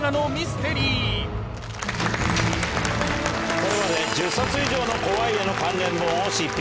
これまで１０冊以上の怖い絵の関連本を執筆。